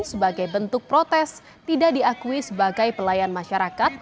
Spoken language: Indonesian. sebagai bentuk protes tidak diakui sebagai pelayan masyarakat